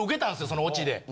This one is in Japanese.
そのオチで。